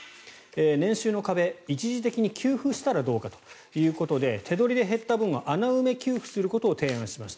年収の壁、一時的に給付したらどうかということで手取りで減った分を穴埋め給付することを提案しました。